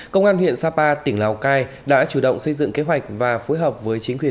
công an huyện sapa tỉnh lào cai đã chủ động xây dựng kế hoạch và phối hợp với chính quyền